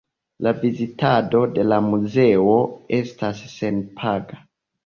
La vizitado de la muzeo estas senpaga.